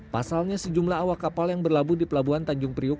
pasalnya sejumlah awak kapal yang berlabuh di pelabuhan tanjung priuk